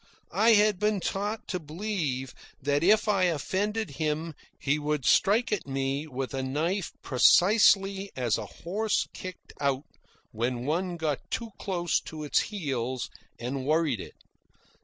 I had been taught to believe that if I offended him he would strike at me with a knife precisely as a horse kicked out when one got too close to its heels and worried it.